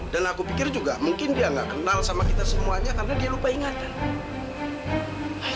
dan aku pikir juga mungkin dia gak kenal sama kita semuanya karena dia lupa ingatan